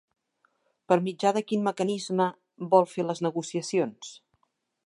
Per mitjà de quin mecanisme vol fer les negociacions?